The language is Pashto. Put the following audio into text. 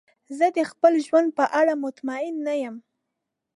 زه د خپل ژوند په اړه مطمئن نه یم.